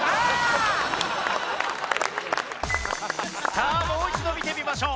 さあもう一度見てみましょう。